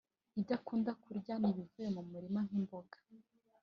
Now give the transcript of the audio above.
Ibyo akunda kurya ni ibivuye mu murima nk’imboga